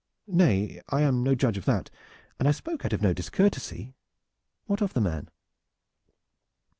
"Nay, I am no judge of that, and I spoke out of no discourtesy. What of the man?"